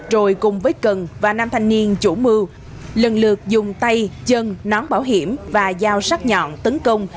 rồi cùng với cần và nam thanh niên chủ mưu lần lượt dùng tay chân nón bảo hiểm và dao sắt nhọn tấn công